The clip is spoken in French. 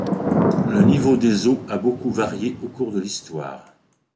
Le niveau des eaux a beaucoup varié au cours de l'histoire.